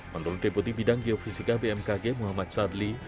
menurut deputi bidang geofisika bmkg muhammad sadli